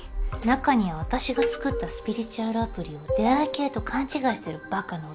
中には私が作ったスピリチュアルアプリを出会い系と勘違いしてる馬鹿な男たちもいるんだけどね。